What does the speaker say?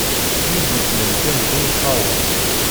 I yi-d-yefnan kan d imeṭṭawen.